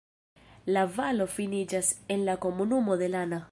La valo finiĝas en la komunumo de Lana.